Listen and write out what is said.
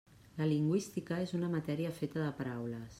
La lingüística és una matèria feta de paraules.